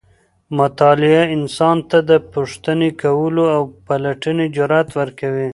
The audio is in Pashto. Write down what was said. مطالعه انسان ته د پوښتنې کولو او پلټنې جرئت ورکوي.